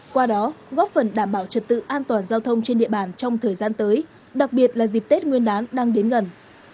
qua đó góp phần đảm bảo trật tự an toàn giao thông trên địa bàn trong thời gian tới đặc biệt là dịp tết nguyên đán đang đến gần